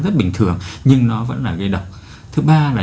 rất bình thường nhưng nó vẫn là gây độc thứ ba là